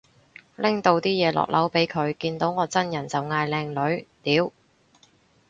拎到啲嘢落樓俾佢，見到我真人就嗌靚女，屌